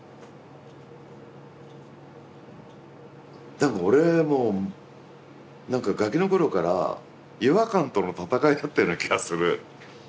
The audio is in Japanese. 多分俺も何かガキの頃から違和感との闘いだったような気がする。